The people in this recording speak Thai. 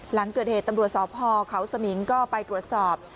หลังเกิดเหตุตำรวจสพเขาสมิงก็ไปตรวจสอบ